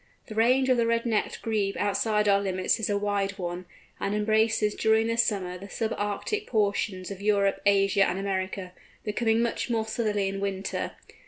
The range of the Red necked Grebe outside our limits is a wide one, and embraces during summer the sub Arctic portions of Europe, Asia, and America, becoming much more southerly in winter.